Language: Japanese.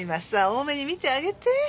大目に見てあげて。